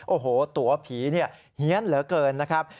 โอ้โหตัวผีเนี่ยเฮียนเหลือเกินนะครับ